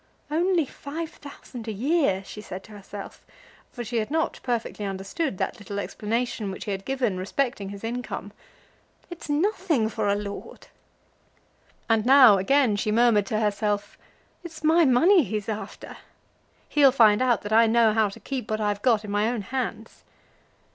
"Only five thousand a year!" she said to herself; for she had not perfectly understood that little explanation which he had given respecting his income. "It's nothing for a lord." And now again she murmured to herself, "It's my money he's after. He'll find out that I know how to keep what I've got in my own hands."